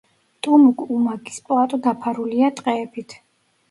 ტუმუკ-უმაკის პლატო დაფარულია ტყეებით.